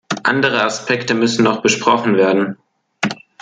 Andere Aspekte müssen noch besprochen werden.